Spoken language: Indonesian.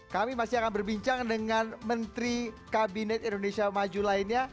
kami masih akan berbincang dengan menteri kabinet indonesia maju lainnya